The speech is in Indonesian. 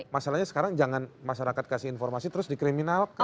masalahnya sekarang jangan masyarakat kasih informasi terus dikriminalkan